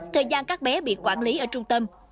thời gian các bé bị quản lý ở trung tâm